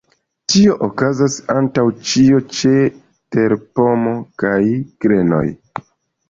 Tio okazas antaŭ ĉio ĉe terpomo kaj grenoj.